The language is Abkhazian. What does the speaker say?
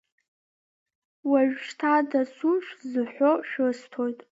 Уажәышьҭа дасу шәзыҳәо шәысҭоит.